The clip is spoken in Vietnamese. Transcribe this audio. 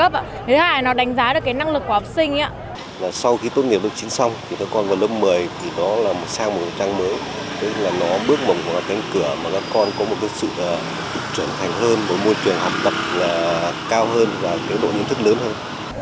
và đội ý thức lớn hơn